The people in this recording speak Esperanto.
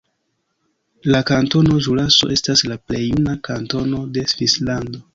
La Kantono Ĵuraso estas la plej juna kantono de Svislando.